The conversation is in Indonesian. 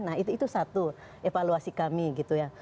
nah itu satu evaluasi kami gitu ya